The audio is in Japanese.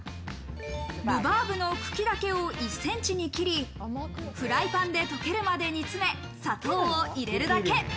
ルバーブの茎だけを１ｃｍに切り、フライパンで溶けるまで煮詰め、砂糖を入れるだけ。